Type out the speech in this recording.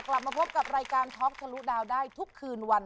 กลับมาพบกับรายการท็อกทะลุดาวได้ทุกคืนวัน